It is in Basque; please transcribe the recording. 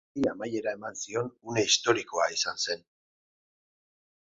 Garai bati amaiera eman zion une historikoa izan zen.